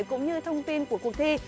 cũng như thông tin của cuộc thi